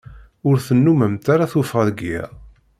Ur tennumemt ara tuffɣa deg iḍ.